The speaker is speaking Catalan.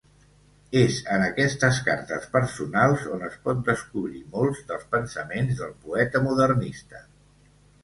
És en aquestes cartes personals on es pot descobrir molts dels pensaments del poeta modernista.